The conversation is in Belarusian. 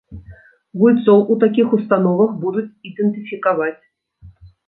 Гульцоў у такіх установах будуць ідэнтыфікаваць.